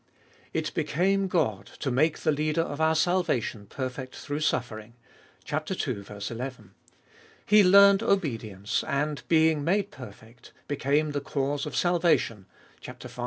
It became God to make the Leader of our salvation perfect through suffering (ii. n). He learned obedience, and being made perfect, became the cause of sal vation (v.